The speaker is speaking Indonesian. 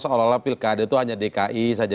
seolah olah pilkada itu hanya dki saja